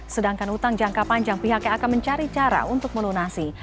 sedangkan utang jangka panjang pihaknya akan mencari cara untuk melunasi